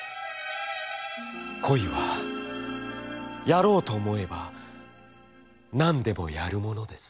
「恋はやろうと思えばなんでもやるものです」。